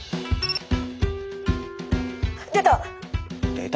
出た！